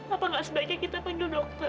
apa gak sebabnya kita pindah dokter